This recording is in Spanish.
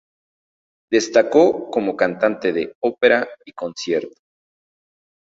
Destacó como cantante de ópera y concierto.